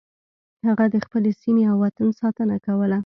هغه د خپلې سیمې او وطن ساتنه کوله.